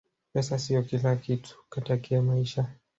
pesa siyo kila kitu katakia maisha